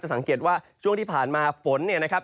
สังเกตว่าช่วงที่ผ่านมาฝนเนี่ยนะครับ